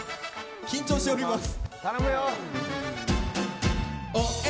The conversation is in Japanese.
緊張しております。